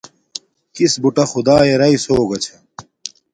کِس بُٹݳ خدݳیݺ رݳئس ہݸگݳ چھݳ.